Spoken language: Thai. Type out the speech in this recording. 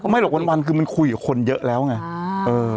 ไม่หรอกวันคือมันคุยกับคนเยอะแล้วไง